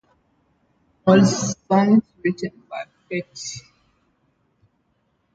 All songs written by Pete Townshend unless otherwise specified.